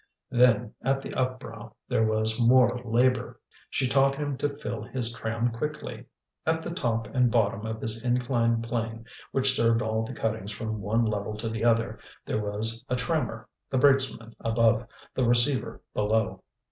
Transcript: Then at the upbrow there was more labour. She taught him to fill his tram quickly. At the top and bottom of this inclined plane, which served all the cuttings from one level to the other, there was a trammer the brakesman above, the receiver below.